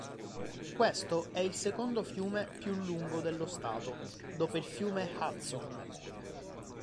Questo è il secondo fiume più lungo dello Stato, dopo il fiume Hudson.